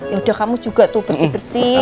yaudah kamu juga tuh bersih bersih